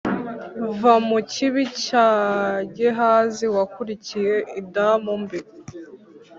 va mu kibi cya gehazi wakurikiye indamu mbi!